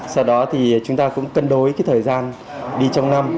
sau đó thì chúng ta cũng cân đối cái thời gian đi trong năm